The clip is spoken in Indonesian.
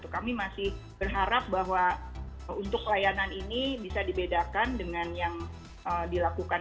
kami masih berharap bahwa untuk layanan ini bisa dibedakan dengan yang dilakukan